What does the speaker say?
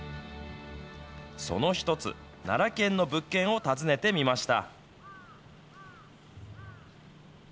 その一つ、奈良県の物件を訪ねてみました。